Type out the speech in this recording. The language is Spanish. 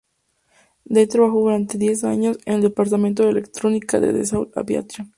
De ahí trabajó durante diez años en el departamento de electrónica de Dassault Aviation.